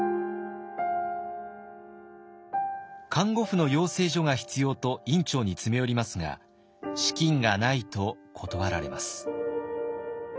「看護婦の養成所が必要」と院長に詰め寄りますが「資金がない」と断られます。